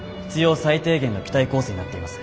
最低限の機体構成になっています。